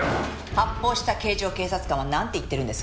発砲した警乗警察官はなんて言ってるんです？